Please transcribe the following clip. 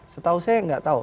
setahu saya gak tahu